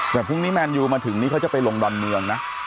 แต่พรุ่งนี้แมนยูมาถึงนี่เขาจะไปลงดอนเมืองนะ